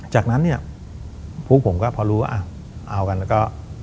จากนั้นเนี่ยพวกผมก็พอรู้ว่าเอากันแล้วก็